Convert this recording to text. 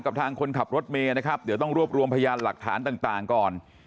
ทางคนขับรถเมย์นะครับเดี๋ยวต้องรวบรวมพยานหลักฐานต่างก่อน